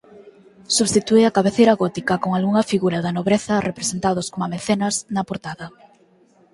Substitúe a cabeceira gótica con algunha figura da nobreza representados coma mecenas na portada.